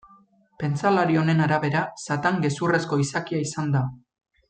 Pentsalari honen arabera Satan gezurrezko izakia izan da.